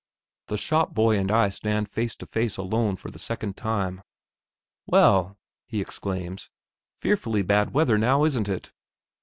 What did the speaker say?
The shop boy and I stand face to face alone for the second time. "Well!" he exclaims; "fearfully bad weather now, isn't it?"